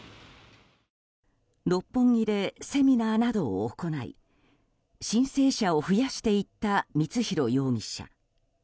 六本木でセミナーなどを行い申請者を増やしていった光弘容疑者。